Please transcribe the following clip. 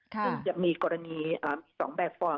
ซึ่งจะมีกรณีมี๒แบบฟอร์ม